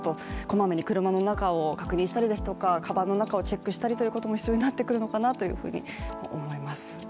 こまめに車の中を確認したりとかかばんの中をチェックしたりも必要になってくるのかなというふうに思います。